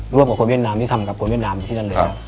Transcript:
ร่วมกับคนเวียดนามที่ทำกับคนเวียดนามอยู่ที่นั่นเลย